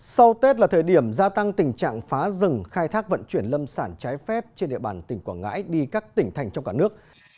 sau tết là thời điểm gia tăng tình trạng phá rừng khai thác vận chuyển lâm sản trái phép trên địa bàn tỉnh quảng ngãi đi các tỉnh thành trong cả nước